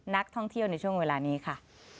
นักท่องเที่ยวในช่วงเวลานี้ค่ะ